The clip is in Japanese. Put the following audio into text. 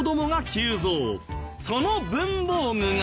その文房具が。